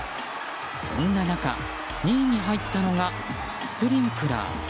そんな中、２位に入ったのがスプリンクラー。